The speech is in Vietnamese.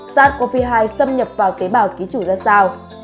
sars cov hai xâm nhập vào tế bào ký chủ ra sao